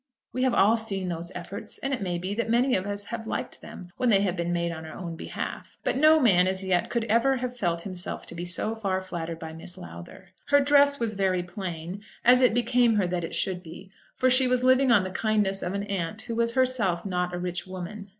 We have all seen those efforts, and it may be that many of us have liked them when they have been made on our own behalf. But no man as yet could ever have felt himself to be so far flattered by Miss Lowther. Her dress was very plain; as it became her that it should be, for she was living on the kindness of an aunt who was herself not a rich woman.